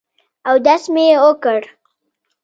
اودس مې وکړ.